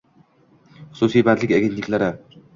Xususiy bandlik agentliklari